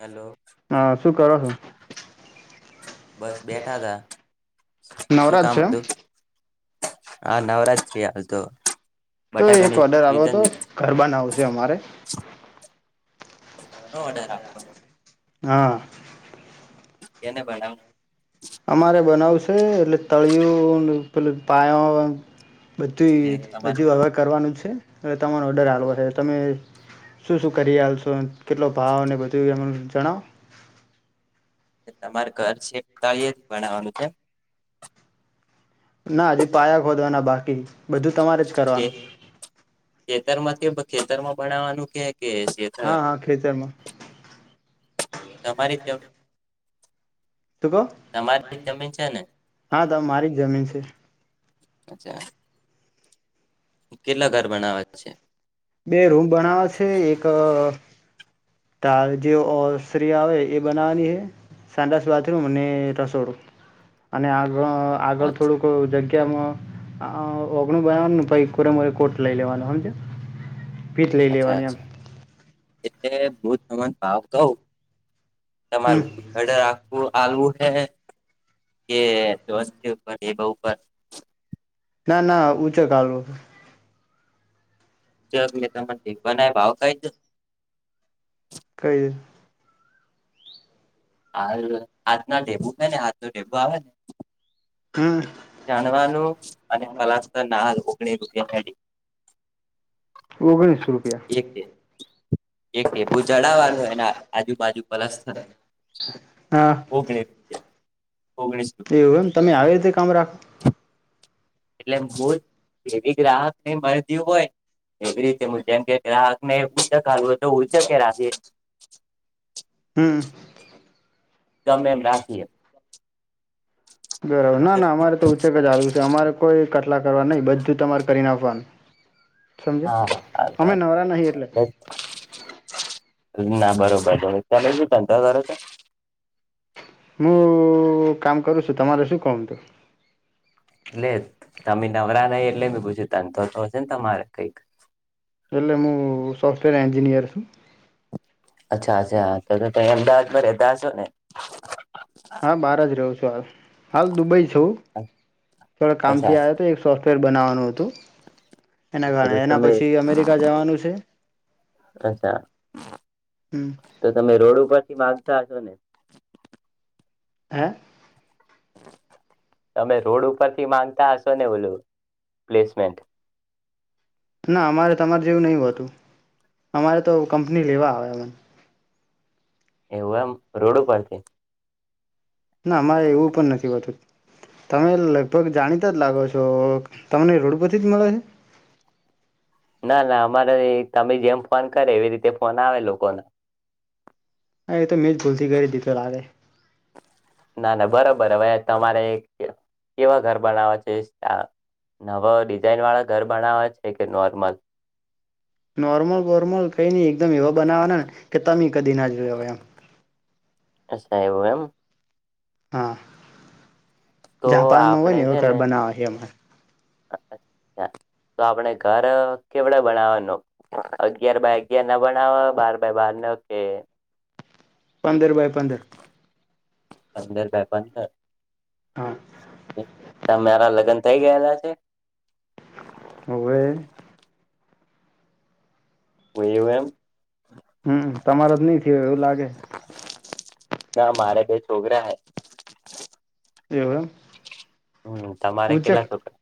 Hello હા શું કરો છો બસ બેઠા તા. શું નવરાજ કામ છે એમ હતું? હા નવરાત્રી હાલ તો. તો એક બટાકાની ઓર્ડર આવ્વો સીઝન તો લીધો ઘર બનાવુશે અમારે. ઓર્ડર આપો. હા. એને બડાવું અમારે બનાવશે, એટલે તળિયું ને પેલો પાયો. બધુંય તમાર હજુ હવે કરવાનું છે. એટલે તમારો ઓર્ડર હાલો હશે તમે શું શું કરી રહયા છો કેટલો ભાવ અને બધું એમ જણાવો તમારે ઘર છેક ખાઈ એ જ બનાવાનું છે ના હજી પાયા ખોદવાના બાકી. બધું તમારે જ કરવાનું. ખેતર માં કે ખેતરમાં બનાવવાનું કે. શેતર હા હા ખેતરમાં. તમારી જેમ શું કહો જ જમીન છે ને હા તો મારી જ જમીન છે. અચ્છા. કેટલા ઘર બનાવા છે. બે રૂમ બનાવવાવ છે. એક [inaudible] બનાવાની છે સાડસ બાથરૂમ ને રસોડું અને આ પણ આગળ થોડું ક જ્યા કે ઓગણું બનાવવાનું પઈ કોરે મોરે કોટ લઈ લેવાનું હમજીયા ફીસ લઈ લેવાની આમ. એ ભૂતભવન ભાવ કહું હમ તમારું હડર રાખવું આલવું હે [unintelligible] ના ના ઊંચે કાલવ [inaudible] દીખવાનાય ભાવ કઈ દો કઈ છે હાર આજના ડેબુ છે ને આજ નુ ડેબુ આવે ને હમ જાણવાનું અને ફલાસ ના હાલવો [unintelligible] ઓગણીસ રૂપિયા એક એક કે બહુ ચડાવવાળો એના આજુબાજુ પલસ્થ હા ઓગણી રૂપિયા ઓગણીસ એવું એમ તમે આવે રીતે કમરા એટલે બોલ તેથી એવી ગ્રાહકને મળતી હોય એવી રીતે જેમ કે ગ્રાહકને હુંચક ખાવુ હોય તો હુંચકે રાખી એ હમ ગમે એમ રાખીએ બરાબર ના ના અમારે તો ઉચેક જ ચાલુ છે અમારે કોઈ કટલા કરવા નહી બધું તમારે કરી નાખવાનું સમજીયા હા અમે નવરા નહી એટલે ના બરોબર બરોબર તમે ભી ધંધો કરો શો હું કામ કરુ છું તમામરે શું કામ હતું એટલે તમે નવરા નઈ એટલે મે પૂછું ધંધો તો હશે ને તમારે કઈક એન્જનીયર અચ્છા અચ્છા ત અમદાવાદમાં રહેતા હસો ને! હા બાર જ રહ્યો છ [unintelligible] હાલ દુબઈ છું થોડ કામ અચ્છા થી આવ્યા તો એકસો ફેર બનાવવાનું હતું. એના કારણે એના તમે પછી અમેરિકા જવાનું છે અચ્છા હમ તો તમે રોડ ઉપરથી માગ [unintelligible] હે? તમે રોડ ઉપરથી માંગતા હશો ને ઓલું પ્લેસમેન્ટ. ના અમારે તમારે જેવું નહિ હોતું અમારે તો કંપની લેવા આવે અમે એવું એમ રોડ ઉપરથી? ના મારે એવું પણ નથી હોતું. તમે લગભગ જાણીતા જ લાગો છો તમને રોડ પરથી જ મળે છે? ના ના અમારે તમે જેમ ફોન કરે એવી રીતે ફોન આવે લોકોના. હા એ તો મેં જ ભૂલથી કરી દીધો લાગે. ના ના બરોબર હવે તમારે કેવા ઘર બનાવા છે નવ ડિઝાઇન વાળા ઘર બનાવા છે કે નોર્મલ? નોર્મલ વોર્મલ કઈ ન એકમ એવા બનાવાના ને કે તમે કદી ના જોયો હ એમ. અચછા એવું એમ? હા. તો જાપાનમાં હોય આપણે ને એવ છે ઘર બનાવા છે અમારે. તો આપણે ઘર કેવડા બનાવાનું અગિયાર બાય અગિયાર ના બનાવવા બાર બાય બાર ના કે પંદર બાય પંદર. પંદર બાય પંદર? હા તમેરા લગન થઈ ગયેલા છે? હોવે વયું એમ હમ તમારે જ નહી થયો એવું લાગે. ના મારા બે છોકરા હૈ. એવું એમ? હમ તમારે ઉચક કેટલા શોકરા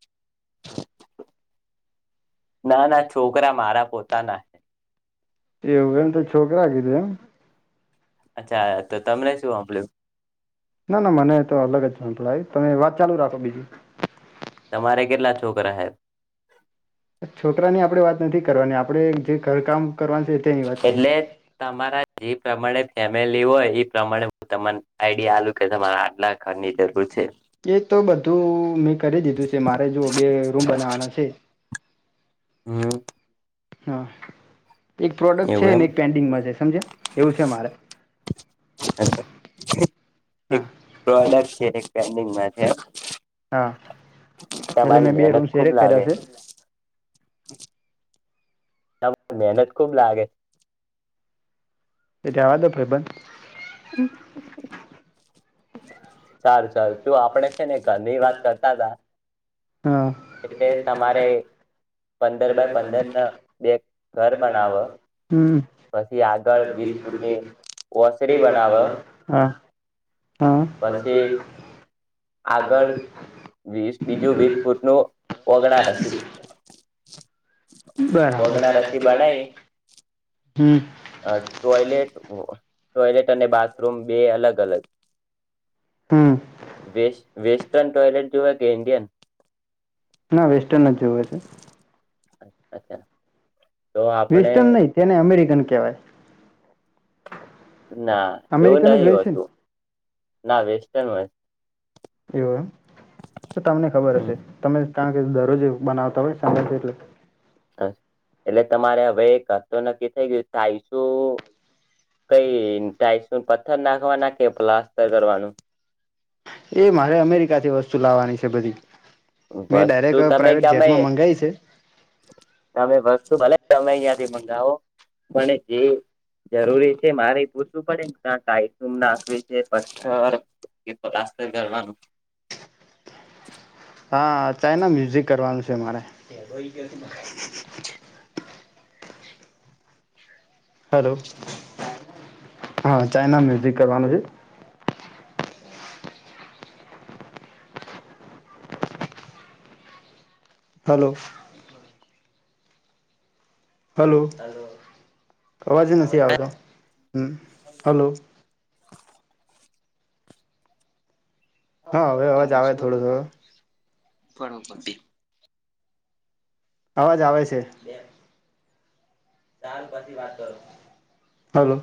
ના ના છોકરા મારા પોતા ના. એવું એમ તો છોકરા કીધા એમ? અચ્છા તો તમને શું સાંભળ્યું? ના ના મને તો અલગ જ સંભળાય તમે વાત ચાલુ રાખો બીજું તમારે કેટલા છોકરા હે? છોકરાની આપણે વાત નથી કરવાની આપણે જે ઘર કામ કરવાનું છે તેની વાત કરો. એટલે તમારા જે પ્રમાણે ફેમિલી હોય એ પ્રમાણે હું તમાને આઈડી આલુ કે તમારે આટલા ઘરની જરૂર છે. એ તો બધું મ કરી દીધું છે મારે જો બે રૂમ બનાવાના છે. હમ. હા. એક પ્રોડક્ટ છે એવું ને એક પેન્ડિંગમાં છે સમજે એવું છે મારે. એમ એક હા. પ્રોડક્ટ છે એક પેન્ડિંગમાં છે. હા. એટલે તમારી મેં બે મહેનત રૂમ ખુબ શેરેક લાગે કર્યા છે. મહેનત ખુબ લાગે. એ જવાદે ભાઈબંધ [inaudible] સારું સારું તું આપડે છે ને ઘરની વાત કરતા હતા હા એટલે તમારે. પંદર બાય પંદર ના બે ઘર બનાવ હમ પછી આગળ વીસ ફૂટની ઓસરી બનાવ. હા. હા પછી આગળ વીસ બીજું વીસ ફૂટ નું વગડા રસી [inaudible] બરાબર રસી બનાયે હમ અ ટોયલેટ. ટોયલેટ અને બાથરૂમ બે અલગ અલગ. હમ વેસ્ટ વેસ્ટ સ્ટર્ન ટોયલેટ જોવે કે ઇન્ડિયન ના વેસ્ટર્ન જ જોવે છે. અ અચ્છા તો આપણે વિસ્ટન નહી તેને અમેરિકન કેવાય ના એવું નહિ છે ને હોતું ના વેસ્ટન હોય એવ તો તમને ખબર હમ હશે તમે કારણ કે દરરોજ બનાવ તમે [unintelligible] એટલે થાય એટલે તમારે હવે તો નક્કી થઈ ગયું થાઇસું કઈ ટાઈસ પથ્થર નાખવાના કે પ્લાસ્ટતર કરવાનું એ મારે અમેરિકા થી વસ્તુ લાવવાની છે બધી મેં વસ્તુ ડાયરેક્ટ તમે પ્રઇવેટ ગમે જેટમાં મંગાઈ છે. તમે વસ્તુ ભલે તમે અહિયાં થી મંગાવો પણ જે જરૂરી છે મારે પૂછવું પડે કટમ નાખવી છે પથ્થર કે પલાસ્ટર કરવાનું હા ચાઈના મ્યુઝિક કરવાનું છે મારે. હેલો હા ચાઈના મ્યુઝિક કરવાનું છે. હલો. હલો અવાજ નથી આવતો હમ હલો. હા હવે અવાજ આવે થોડું થોડું પરોપતિ અવાજ આવે છે. ચાલ પછી વાત કરો હલો.